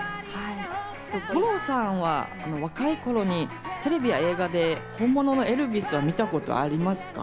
五郎さんは若い頃にテレビや映画で本物のエルヴィスを見たことはありますか？